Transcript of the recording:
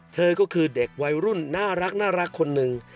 เธอก็คือเด็กวัยรุ่นน่ารักคนหนึ่ง